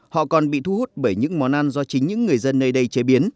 họ còn bị thu hút bởi những món ăn do chính những người dân nơi đây chế biến